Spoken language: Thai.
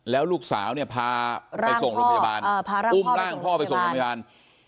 แล้วลูกสาวเนี่ยพาไปส่งโรงพยาบาลอุ้มร่างพ่อไปส่งโรงพยาบาล